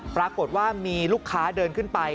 ปรากฏว่ามีลูกค้าเดินขึ้นไป